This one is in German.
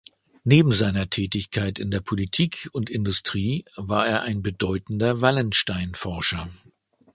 Neben seiner Tätigkeit in der Politik und Industrie war er ein bedeutender Wallenstein-Forscher.